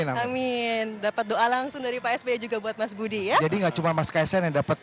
amin dapat doa langsung dari pak sby juga buat mas budi ya jadi enggak cuma mas kaisang yang dapat